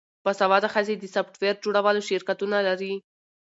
باسواده ښځې د سافټویر جوړولو شرکتونه لري.